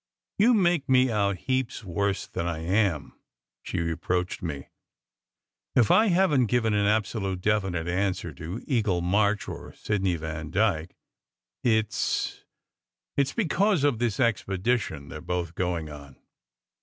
"You make me out heaps worse than I am," she re proached me. "If I haven t given an absolutely definite answer to Eagle March or Sidney Vandyke, it s it s because of this expedition they re both going on.